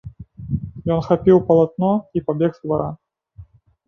Ён хапіў палатно і пабег з двара.